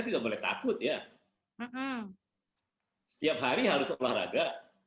tidak boleh takut ya setiap hari harus olahraga